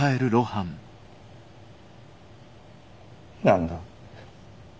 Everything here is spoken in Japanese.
何だ？